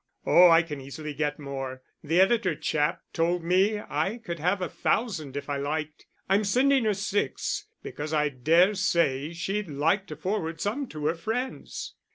"Oh, I can easily get more. The editor chap told me I could have a thousand if I liked. I'm sending her six, because I dare say she'd like to forward some to her friends."